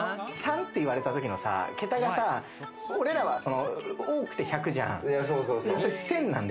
３っていわれた時の桁がさ、俺らは多くて１００じゃん。